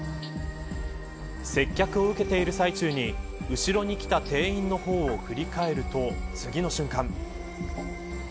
接客を受けている最中に後ろに来た店員の方を振り返ると次の瞬間。